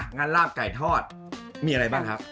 ลาบไก่ทอดมีอะไรบ้างครับ